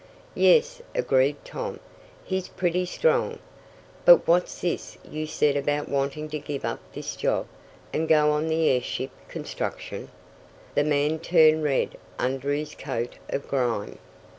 "Yes," agreed Tom, "he's pretty strong. But what's this you said about wanting to give up this job, and go on the airship construction." The man turned red under his coat of grime.